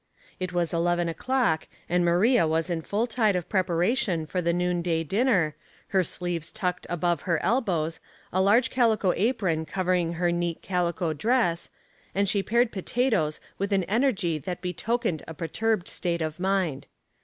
It was eleven o'clock, and iMaria was in full tide of preparation for the noon day dinner, her sleeves tucked above her elbows, a large calico apron covering her neat calico dress, and she pared potatoes with an energy that betokened a perturbed state of mind.